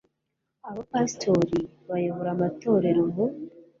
Aba pasitori bayobora amatorero mu